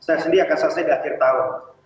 saya sendiri akan selesai di akhir tahun